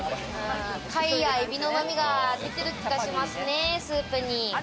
貝やエビの旨味が出てる気がしますね、スープに。